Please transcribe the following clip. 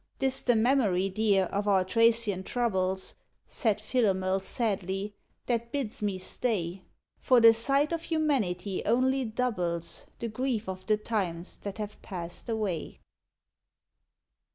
"'Tis the memory, dear, of our Thracian troubles," Said Philomel, sadly, "that bids me stay; For the sight of humanity only doubles The grief of the times that have passed away!"